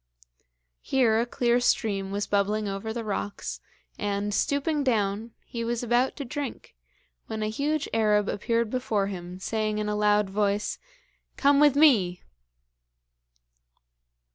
Here a clear stream was bubbling over the rocks, and, stooping down, he was about to drink, when a huge Arab appeared before him, saying in a loud voice: 'Come with me!'